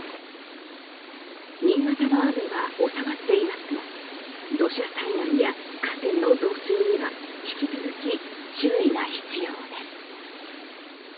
新潟の雨は収まっていますが土砂災害や河川の増水には引き続き注意が必要です。